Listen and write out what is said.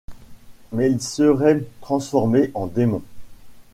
Mais ils seraient transformés en démons.